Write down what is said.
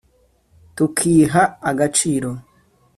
Tukiha agaciro